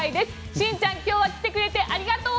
しんちゃん、今日は来てくれてありがとう！